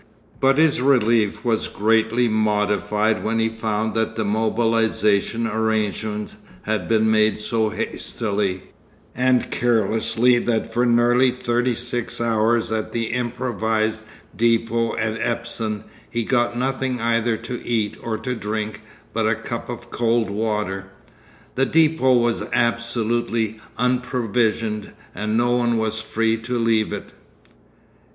But his relief was greatly modified when he found that the mobilisation arrangements had been made so hastily and carelessly that for nearly thirty six hours at the improvised depôt at Epsom he got nothing either to eat or to drink but a cup of cold water. The depôt was absolutely unprovisioned, and no one was free to leave it.